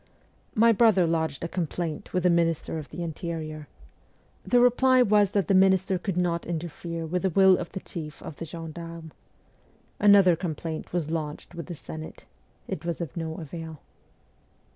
My brother lodged a complaint with the Minister of the Interior. The reply was that the minister could not interfere with the will of the chief of the gendarmes. Another complaint was lodged with the Senate. It was of no avail.